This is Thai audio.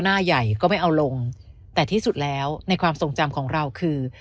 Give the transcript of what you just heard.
หน้าใหญ่ก็ไม่เอาลงแต่ที่สุดแล้วในความทรงจำของเราคือ